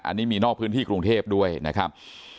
อันนี้มีนอกพื้นที่กรุงเทพด้วยนะครับ